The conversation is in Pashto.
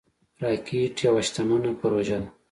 راکټ یوه شتمنه پروژه ده